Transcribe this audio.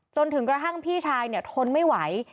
จนถึงกระทั่งพี่ชายเนี่ยทนไม่ไหว